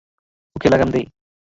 মুখে লাগাম দে!